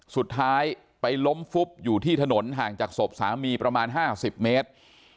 สุดท้ายไปล้มฟุบอยู่ที่ถนนห่างจากศพสามีประมาณ๕๐เมตร